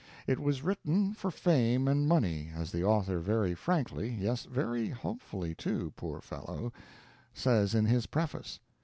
It was written for fame and money, as the author very frankly yes, and very hopefully, too, poor fellow says in his preface.